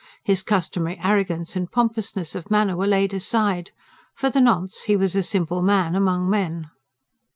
His customary arrogance and pompousness of manner were laid aside. For the nonce, he was a simple man among men.